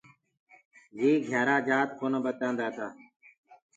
يي گھِيآرآ جآت ڪونآ ٻتآدآتآ۔